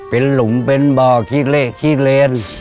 เป็นหลุมเป็นบ่อขี้เละขี้เลน